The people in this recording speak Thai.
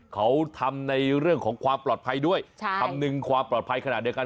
เขาทำในเรื่องของความปลอดภัยด้วยคำนึงความปลอดภัยขนาดเดียวกัน